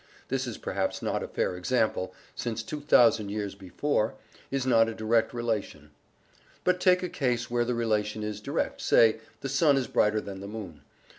This is perhaps not a fair example, since "2,000 years before" is not a direct relation. But take a case where the relation is direct, say, "the sun is brighter than the moon."